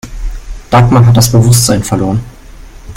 Dagmar hat das Bewusstsein verloren.